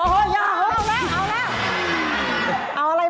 โอ้ยาวเอาแล้ว